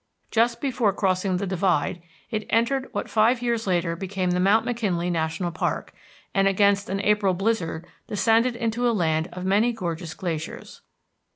Just before crossing the divide it entered what five years later became the Mount McKinley National Park, and, against an April blizzard, descended into a land of many gorgeous glaciers.